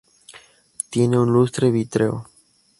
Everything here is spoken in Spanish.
Tiene un lustre vítreo.